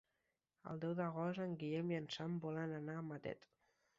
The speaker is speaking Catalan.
El deu d'agost en Guillem i en Sam volen anar a Matet.